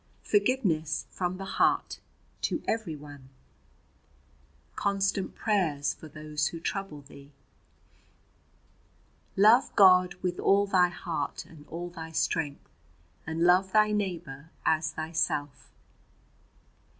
"Forgiveness from the heart to everyone. "Constant prayers for those who trouble thee. "Love God with all thy heart and all thy strength, and love thy neighbour as thyself."